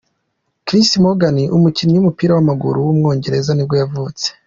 Chris Morgan, umukinnyi w’umupira w’amaguru w’umwongereza nibwo yavutse.